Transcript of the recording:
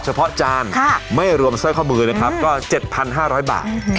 เฉพาะจานไม่รวมซ่อยข้อมือนะครับก็๗๕๐๐บาท